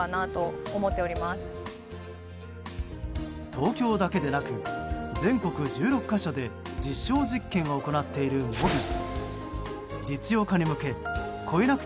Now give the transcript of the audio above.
東京だけでなく全国１６か所で実証実験を行っているｍｏｂｉ。